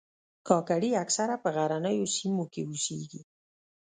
کاکړي اکثره په غرنیو سیمو کې اوسیږي.